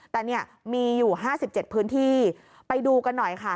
แต่เนี่ยมีอยู่๕๗พื้นที่ไปดูกันหน่อยค่ะ